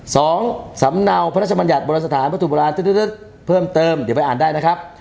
สองสำเนาพระราชบรรยัตน์บริษฐานพระธุรกราณตื๊ดตื๊ดตื๊ดเพิ่มเติมเดี๋ยวไปอ่านได้นะครับ